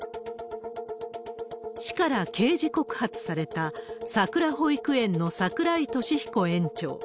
市から刑事告発された、さくら保育園の櫻井利彦園長。